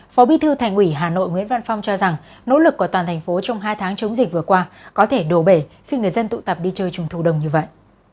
phó bí thư thành ủy hà nội nguyễn văn phong cho rằng nỗ lực của toàn thành phố trong hai tháng chống dịch vừa qua có thể đổ bể khi người dân tụ tập đi chơi trung thu đông như vậy